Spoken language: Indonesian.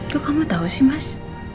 kok kamu tau sih mas